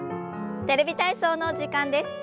「テレビ体操」の時間です。